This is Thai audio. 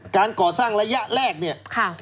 การก่อสร้างระยะแรกเนี่ย